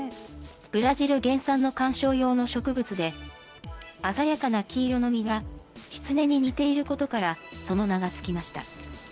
ブラジル原産の観賞用の植物で、鮮やかな黄色の実がきつねに似ていることから、その名が付きました。